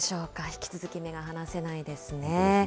引き続き目が離せないですね。